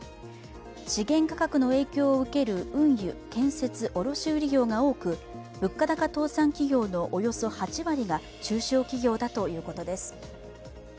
資源価格の影響を受ける運輸、建設、卸売業が多く物価高倒産企業のおよそ８割が中小企業だということです。